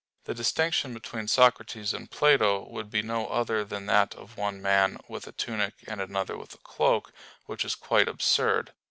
The distinction between Socrates and Plato would be no other than that of one man with a tunic and another with a cloak; which is quite absurd.